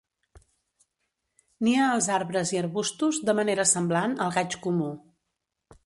Nia als arbres i arbustos de manera semblant al gaig comú.